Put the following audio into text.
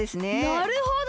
なるほど！